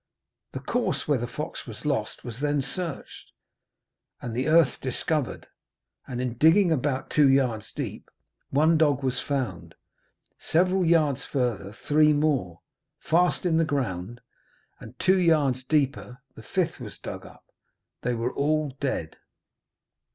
The course where the fox was lost was then searched, and the earth discovered, and in digging about two yards deep, one dog was found; several yards further three more, fast in the ground; and two yards deeper the fifth was dug up. They were all dead.